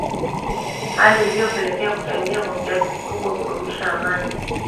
Hali iliyopelekea kuchangia kwa kiasi kikubwa kudumisha amani